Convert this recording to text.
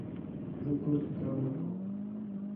زه کور کې کار نه کووم